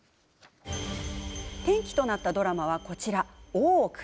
転機となったドラマはこちら「大奥」。